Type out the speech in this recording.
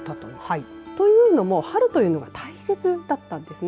というのも、春だけが大切だったんですね。